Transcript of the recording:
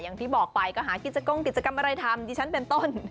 อย่างที่บอกไปก็หากิจกงกิจกรรมอะไรทำดิฉันเป็นต้น